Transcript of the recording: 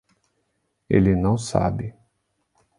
Ele não sabe